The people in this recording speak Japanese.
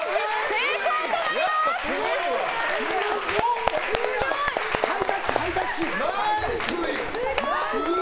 成功となります！